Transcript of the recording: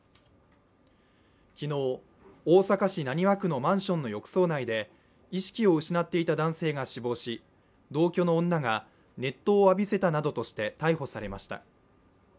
昨日、大阪市浪速区のマンションの浴槽内で意識を失っていた男性が死亡し、同居の女が熱湯を浴びせたなどとして逮捕されました。